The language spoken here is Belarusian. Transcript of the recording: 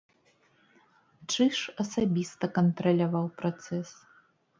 Чыж асабіста кантраляваў працэс.